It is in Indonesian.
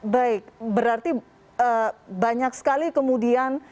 baik berarti banyak sekali kemudian